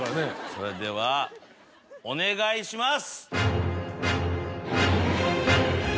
それではお願いします。